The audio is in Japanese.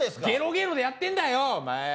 「ゲロゲーロ」でやってんだよお前。